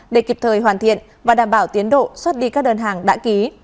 để kịp thời hoàn thiện và đảm bảo tiến độ xuất đi các đơn hàng đã ký